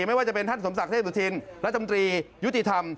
ไม่ว่าจะเป็นท่านสมศักดิ์เทพสุธินรัฐมนตรียุติธรรม